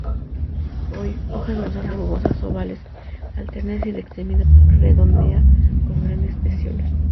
Hojas grandes rugosas, ovales, alternas y de extremidad redondeada con grandes peciolos.